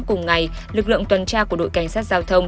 cùng ngày lực lượng tuần tra của đội cảnh sát giao thông